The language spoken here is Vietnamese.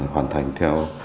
hoàn thành theo